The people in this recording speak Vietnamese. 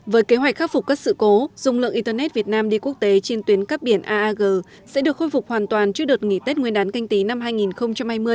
với kế hoạch khắc phục các sự cố dung lượng internet việt nam đi quốc tế trên tuyến cắp biển aag sẽ được khôi phục hoàn toàn trước đợt nghỉ tết nguyên đán canh tí năm hai nghìn hai mươi